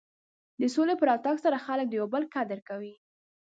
د سولې په راتګ سره خلک د یو بل قدر کوي.